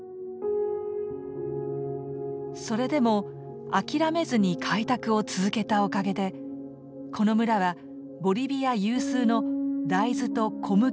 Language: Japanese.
それでも諦めずに開拓を続けたおかげでこの村はボリビア有数の大豆と小麦の生産地になったんだって。